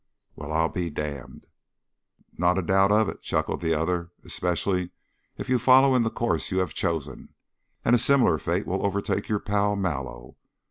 "Well, I'll be damned!" "Not a doubt of it!" chuckled the other. "Especially if you follow in the course you have chosen. And a similar fate will overtake your pal, Mallow.